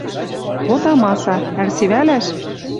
Вот амаса. Ӓль севӓлӓш?